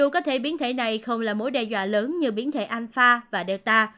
có thể biến thể này không là mối đe dọa lớn như biến thể alpha và delta